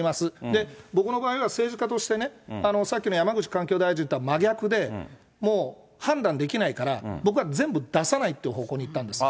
で、僕の場合は政治家として、さっきの山口環境大臣とは真逆で、もう判断できないから僕は全部出さないっていう方向にいったんです。